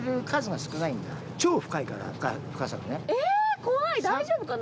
え怖い大丈夫かな。